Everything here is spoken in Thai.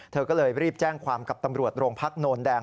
เธอก็เลยรีบแจ้งความกับตำรวจโรงพักโนนแดง